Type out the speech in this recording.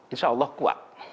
insya allah kuat